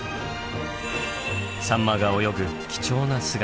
サンマが泳ぐ貴重な姿。